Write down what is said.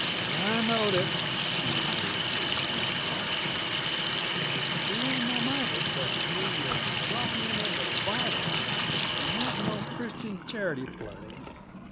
"I knowed it," he declared, with melancholy triumph. "It's school ma'amitis that's gave yuh softening uh the vitals, and not no Christian charity play.